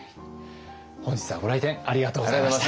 本日はご来店ありがとうございました。